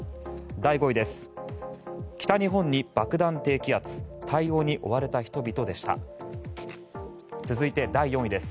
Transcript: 第５位です。